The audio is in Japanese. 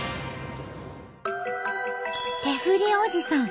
手振りおじさん